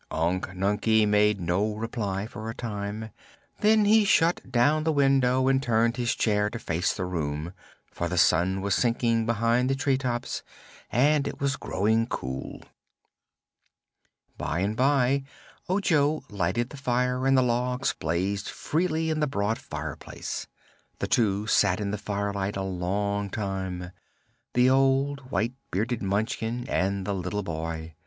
Unc Nunkie made no reply for a time. Then he shut down the window and turned his chair to face the room, for the sun was sinking behind the tree tops and it was growing cool. By and by Ojo lighted the fire and the logs blazed freely in the broad fireplace. The two sat in the firelight a long time the old, white bearded Munchkin and the little boy.